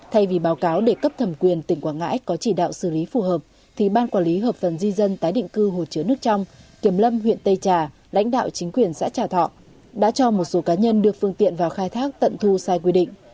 thay vì báo cáo để cấp thẩm quyền tỉnh quảng ngãi có chỉ đạo xử lý phù hợp thì ban quản lý hợp phần di dân tái định cư hồ chứa nước trong kiểm lâm huyện tây trà lãnh đạo chính quyền xã trà thọ đã cho một số cá nhân đưa phương tiện vào khai thác tận thu sai quy định